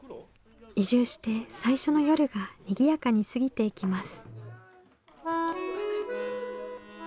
移住して最初の夜がにぎやかに過ぎていきます。